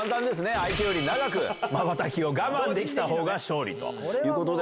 相手より長くまばたきを我慢できたほうが勝利ということで。